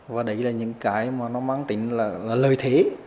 và đấy là những cái mà nó mang tính là lợi thế